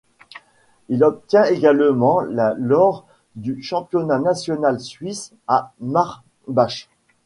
Il obtient également la lors du championnat national suisse à Marbach.